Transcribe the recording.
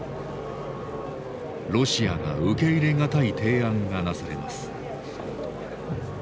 ロシアが受け入れ難い提案がなされます。